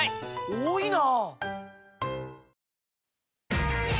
多いな！